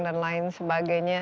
dan lain sebagainya